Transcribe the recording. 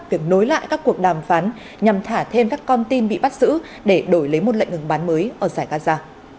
việc nối lại các cuộc đàm phán nhằm thả thêm các con tin bị bắt giữ để đổi lấy một lệnh ngừng bán mới ở giải gaza